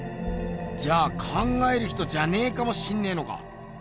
じゃあ「考える人」じゃねえかもしんねえのか。